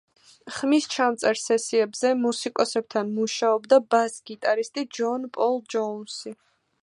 ხმისჩამწერ სესიებზე მუსიკოსებთან მუშაობდა ბას გიტარისტი ჯონ პოლ ჯოუნსი.